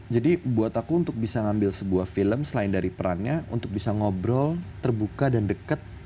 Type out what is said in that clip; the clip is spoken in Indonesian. jadi buat aku untuk bisa ngambil sebuah film selain dari perannya untuk bisa ngobrol terbuka dan deket